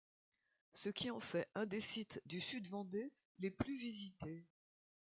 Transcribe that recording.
Ce qui en fait un des sites du Sud-Vendée les plus visités.